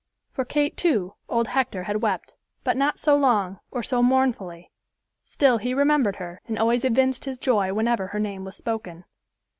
For Kate, too, old Hector had wept, but not so long or so mournfully; still he remembered her, and always evinced his joy whenever her name was spoken.